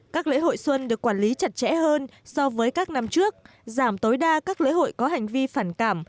các lễ hội xuân được quản lý chặt chẽ hơn so với các năm trước giảm tối đa các lễ hội có hành vi phản cảm